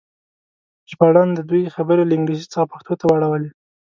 ژباړن د دوی خبرې له انګلیسي څخه پښتو ته واړولې.